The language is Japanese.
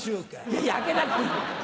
いや開けなくていい！